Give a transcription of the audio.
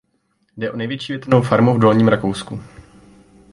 Jde o největší větrnou farmu v Dolním Rakousku.